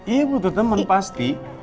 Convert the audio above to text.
iya butuh teman pasti